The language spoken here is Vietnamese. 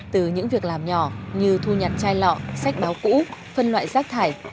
từ những việc làm nhỏ như thu nhặt chai lọ sách báo cũ phân loại rác thải